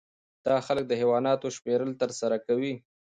دا خلک د حیواناتو شمیرل ترسره کوي